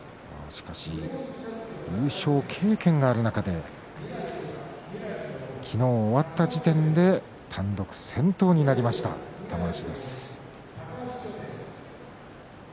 しかし、優勝経験がある中で昨日終わった時点で単独先頭になりました、玉鷲です。